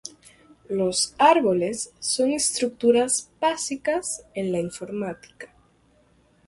Los árboles son estructuras básicas en la informática.